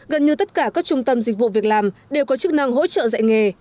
gần như tất cả các trung tâm dịch vụ việc làm đều có chức năng hỗ trợ dạy nghề